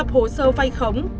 hồ sơ phay khống